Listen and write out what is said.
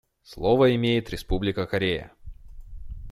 Слово имеет Республика Корея.